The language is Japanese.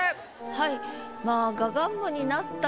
はい。